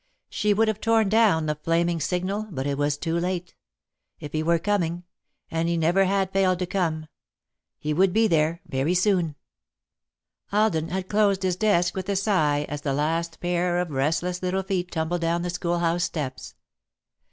She would have torn down the flaming signal, but it was too late. If he were coming and he never had failed to come he would be there very soon. Alden had closed his desk with a sigh as the last pair of restless little feet tumbled down the schoolhouse steps.